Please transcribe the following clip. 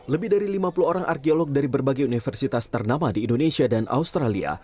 lebih dari lima puluh orang arkeolog dari berbagai universitas ternama di indonesia dan australia